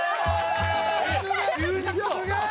すげえ！